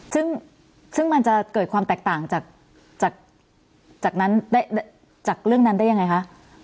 ซึ่งซึ่งมันจะเกิดความแตกต่างจากนั้นได้จากเรื่องนั้นได้ยังไงคะ